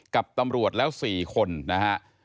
กับตำรวจแล้ว๔คนนะฮะ